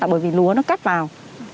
bởi vì lúa nó cắt vào